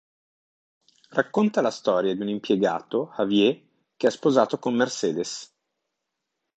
Racconta la storia di un impiegato, Javier che è sposato con Mercedes.